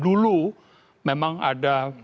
dulu memang ada semacam ketegangan